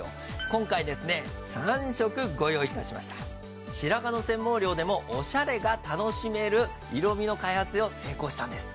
今回ですね３色ご用意いたしました白髪の染毛料でもオシャレが楽しめる色みの開発を成功したんです